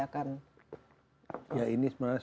ya ini sebenarnya sudah para saintis sudah mengatakan ya